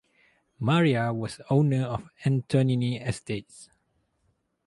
Maria was owner of Antoniny estates.